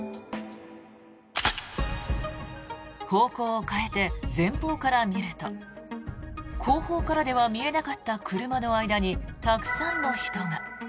方向を変えて、前方から見ると後方からでは見えなかった車の間にたくさんの人が。